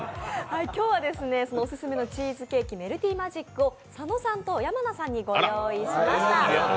今日はオススメのチーズケーキ、ＭＥＬＴＹＭＡＧＩＣを佐野さんと山名さんにご用意しました。